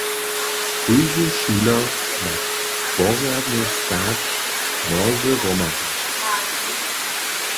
Kóždy šuler ma porjadnje stać, noze hromadźe.